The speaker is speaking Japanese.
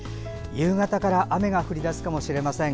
夕方から雨が降り出すかもしれません。